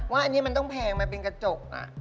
ว่าอันนี้มันต้องแพงมาเป็นกระจก